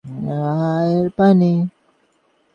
বন্ধুর চিকিৎসা বন্ধুই করিবে।